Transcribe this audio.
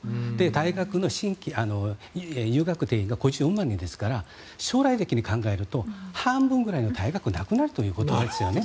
大学の入学定員が５４万人ですから将来的に考えると半分ぐらいの大学がなくなるということになりますよね。